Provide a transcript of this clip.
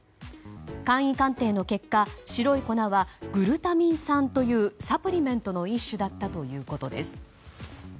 簡易鑑定の結果白い粉はグルタミン酸というサプリメントの一種だったということです。